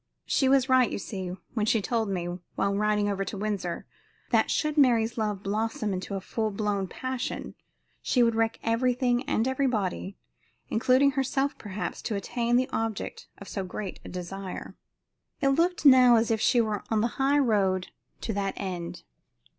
She was right, you see, when she told me, while riding over to Windsor, that should Mary's love blossom into a full blown passion she would wreck everything and everybody, including herself perhaps, to attain the object of so great a desire. It looked now as if she were on the high road to that end.